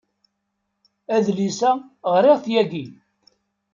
Adlis-a ɣriɣ-t yagi.